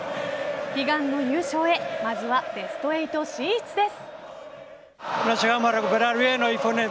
悲願の優勝へまずはベスト８進出です。